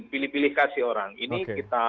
pilih pilih kasih orang ini kita